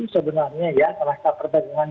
sebenarnya ya tenaga perdagangan